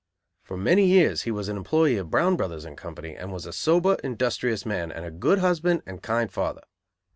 For many years he was an employee of Brown Brothers and Company and was a sober, industrious man, and a good husband and kind father.